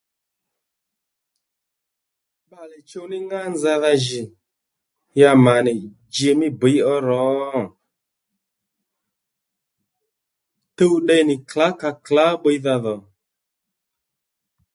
Bbalè chuw ní ŋá nzadha jì ya mà nì ji mí bbǐy ó ro tuw tde nì klǎkàklǎ bbiydha dhò